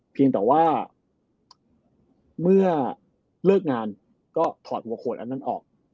เพียงแต่ว่าเมื่อเลิกงานก็ถอดหัวโขดอันนั้นออก